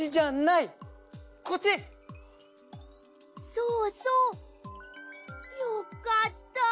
そうそう！よかった。